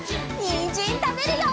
にんじんたべるよ！